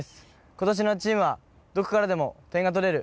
今年のチームは、どこからでも点が取れる